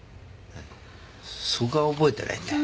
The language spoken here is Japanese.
そこは覚えてないんだ。